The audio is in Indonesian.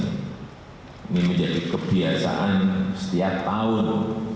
ini menjadi kebiasaan setiap tahun